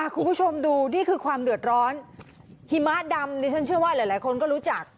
คุณผู้ชมดูนี่คือความเดือดร้อนหิมะดำดิฉันเชื่อว่าหลายคนก็รู้จัก